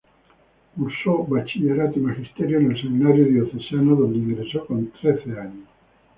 Cursó bachillerato y magisterio en el seminario diocesano, donde ingresó con trece años.